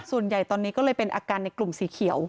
ส่วนใหญ่ตอนนี้ก็เลยเป็นอาการในกลุ่มสีเขียว